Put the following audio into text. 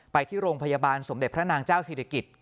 ไปที่โรงพยาบาลสมเด็จพระนางเจ้าศิริกิจ